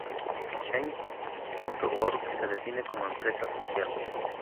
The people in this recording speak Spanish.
Change.org se define como empresa social.